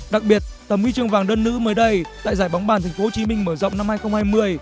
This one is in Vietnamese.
đặc biệt tầm huy chương vàng đơn nữ mới đây tại giải bóng bàn tp hcm mở rộng năm hai nghìn hai mươi